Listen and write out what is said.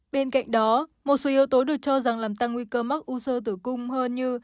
bên cạnh đó một số yếu tố được cho rằng làm tăng nguy cơ mắc u sơ tử cung hơn như